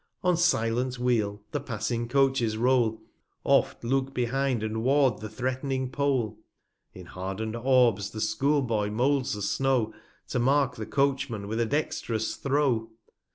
On silent Wheel the passing Coaches roll ; 205 Oft 5 look behind and ward the threatning Pole. In harden'd Orbs the School boy moulds the Snow, To mark the Coachman with a dextrous Throw.